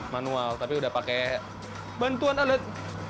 manual tapi udah pakai bantuan alat